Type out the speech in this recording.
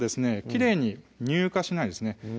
きれいに乳化しないですね